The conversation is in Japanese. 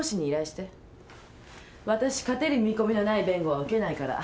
わたし勝てる見込みのない弁護は受けないから。